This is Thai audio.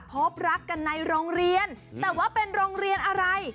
พบรักกันในโรงเรียนแต่ว่าเป็นโรงเรียนอะไร